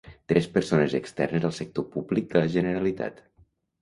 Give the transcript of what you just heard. Tres persones externes al sector públic de la Generalitat.